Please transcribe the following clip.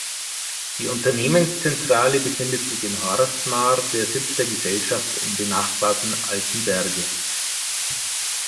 Die Unternehmenszentrale befindet sich in Horstmar, der Sitz der Gesellschaft im benachbarten Altenberge.